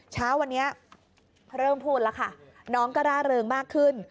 เช้าวันนี้เริ่มพูดแล้วค่ะน้องก็ร่าเริงมากขึ้น